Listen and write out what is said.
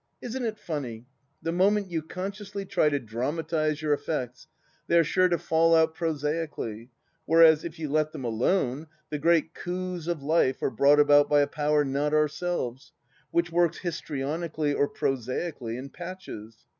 Isn't it funny, the moment you consciously try to dramatize your effects, they are sure to fall out prosaically, whereas, if you let them alone, the great coups of Life are brought about by a power not ourselves which works histrionically or prosaically, in patches.